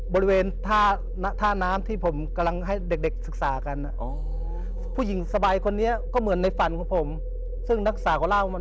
บริเวณท่าน้ำที่ผมกำลังให้เด็กศึกษากัน